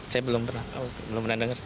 saya belum pernah dengar